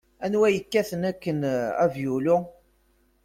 Anwa yekkaten akken avyulu?